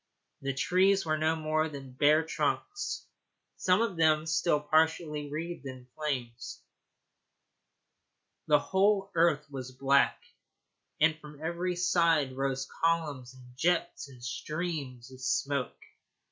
The trees were no more than bare trunks, some of them still partially wreathed in flames. The whole earth was black, and from every side rose columns and jets and streams of smoke.